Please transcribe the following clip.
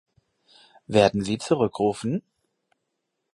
Werden Sie zurückrufen?